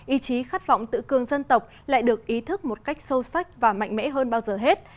ý chí khát vọng tự cường dân tộc lại được ý thức một cách sâu sắc và mạnh mẽ hơn bao giờ hết